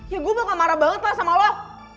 ya gue bakal marah banget lah sama lo